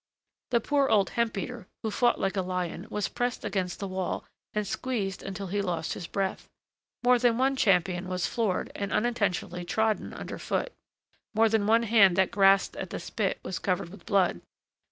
The poor old hemp beater, who fought like a lion, was pressed against the wall and squeezed until he lost his breath. More than one champion was floored and unintentionally trodden under foot, more than one hand that grasped at the spit was covered with blood.